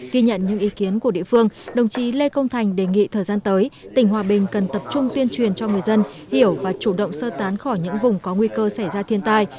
ghi nhận những ý kiến của địa phương đồng chí lê công thành đề nghị thời gian tới tỉnh hòa bình cần tập trung tuyên truyền cho người dân hiểu và chủ động sơ tán khỏi những vùng có nguy cơ xảy ra thiên tai